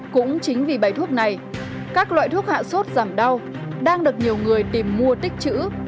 cũng chính vì bài thuốc này các loại thuốc hạ sốt giảm đau đang được nhiều người tìm mua tích chữ